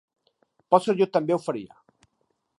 Potser jo també ho faria.